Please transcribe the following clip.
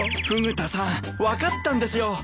フグ田さん分かったんですよ